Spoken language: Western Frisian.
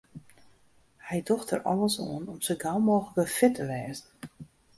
Hy docht der alles oan om sa gau mooglik wer fit te wêzen.